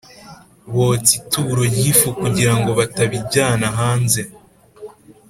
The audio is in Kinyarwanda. botsa ituro ry ifu kugira ngo batabijyana hanze